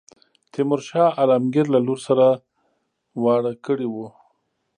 تیمور شاه عالمګیر له لور سره واړه کړی وو.